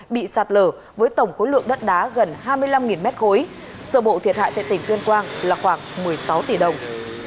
bị sạt lở với tổng khối lượng đất đá gần hai mươi năm m ba sở bộ thiệt hại tại tỉnh tuyên quang là khoảng một mươi sáu tỷ đồng